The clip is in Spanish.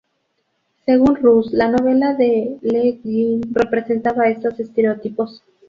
Según Russ, la novela de Le Guin representaba estos estereotipos.